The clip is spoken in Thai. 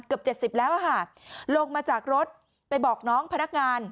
เกือบ๗๐แล้วค่ะลงมาจากรถไปบอกน้องพนักงาน